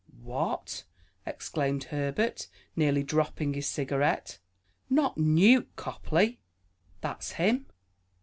"What?" exclaimed Herbert, nearly dropping his cigarette. "Not Newt Copley?" "That's him."